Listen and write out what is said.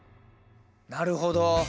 なるほど。